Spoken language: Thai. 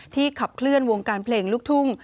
ขับเคลื่อนวงการเพลงลูกทุ่ง